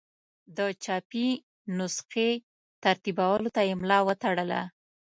د چاپي نسخې ترتیبولو ته یې ملا وتړله.